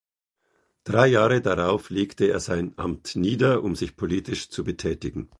Drei Jahre darauf legte er sein Amt nieder, um sich politisch zu betätigen.